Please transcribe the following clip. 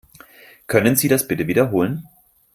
Können Sie das bitte wiederholen?